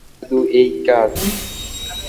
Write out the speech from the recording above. শুধু এই কাজ।